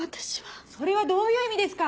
それはどういう意味ですか？